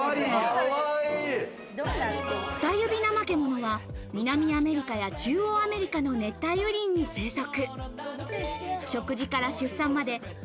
フタユビナマケモノは南アメリカや中央アメリカの熱帯雨林に生息。